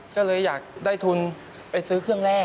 ก็เลยอยากได้ทุนไปซื้อเครื่องแรก